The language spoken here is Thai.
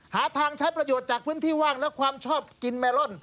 หาทางใช้ประโยชน์จากพื้นที่ว่างและความชอบกินเมลอน